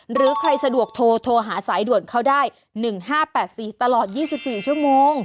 หรือใครสะดวกโทรโทรหาสายด่วนเขาได้๑๕๘๔ตลอด๒๔ชั่วโมง